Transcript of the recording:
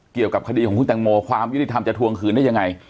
เกี่ยวกับคดีของคุณแตงโมความยุติธรรมจะทวงคืนได้ยังไง